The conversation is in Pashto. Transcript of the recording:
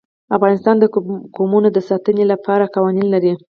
افغانستان د قومونه د ساتنې لپاره قوانین لري.